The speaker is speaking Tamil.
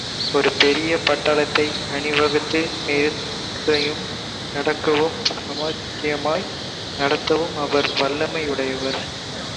ஒரு பெரிய பட்டாளத்தை அணிவகுத்து நிறுத்தயும், அடக்கவும், சாமர்த்தியமாய் நடத்தவும் அவர் வல்லமையுடையவர்.